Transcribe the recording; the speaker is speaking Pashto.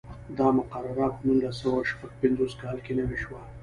دا مقرره په نولس سوه شپږ پنځوس کال کې نوې شوه.